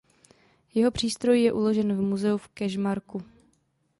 Jeho přístroj je uložen v Muzeu v Kežmarku.